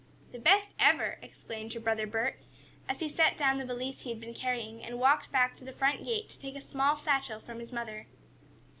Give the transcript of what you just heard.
"The best ever!" exclaimed her brother Bert, as he set down the valise he had been carrying, and walked back to the front gate to take a small satchel from his mother.